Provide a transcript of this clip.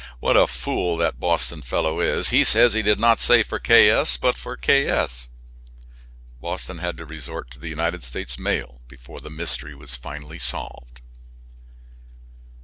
"What a fool that Boston fellow is. He says he did not say for K. S., but for K. S." Boston had to resort to the United States mail before the mystery was solved.